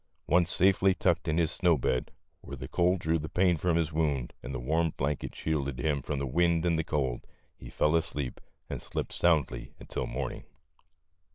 Once safely tucked in his snow bed, where the cold drew the pain from his wound and the warm blanket shielded him from the wind and cold, he fell asleep and slept soundly until morning.